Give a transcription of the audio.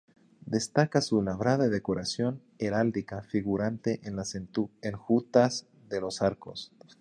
Destaca su labrada decoración heráldica figurante en las enjutas de los arcos.